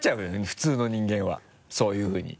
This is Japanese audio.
普通の人間はそういうふうに。